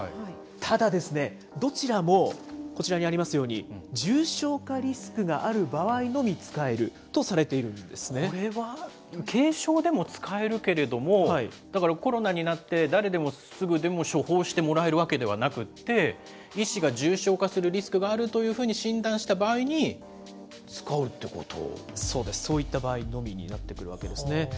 ただですね、どちらもこちらにありますように、重症化リスクがある場合のみ使えるとされているんこれは、軽症でも使えるけれども、だからコロナになって、誰でもすぐでも処方してもらえるわけではなくて、医師が重症化するリスクがあるというふうに診断しそうです、そういった場合のみになってくるわけですね。